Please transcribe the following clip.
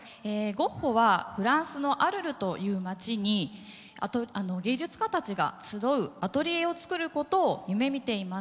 ゴッホはフランスのアルルという街に芸術家たちが集うアトリエを作ることを夢みていました。